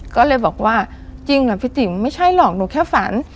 ก็เลยบอกว่าจริงเหรอพี่ติ๋มไม่ใช่หรอกหนูแค่ฝัน